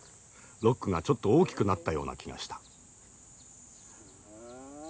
ロックがちょっと大きくなったような気がした。